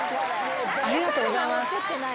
ありがとうございます。